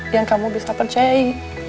yang kamu bisa percayai